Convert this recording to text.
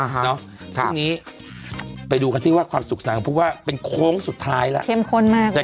ทุกวันนี้ไปดูกันสิว่าความสุขสาของพวกว่าเป็นโค้งสุดท้ายละ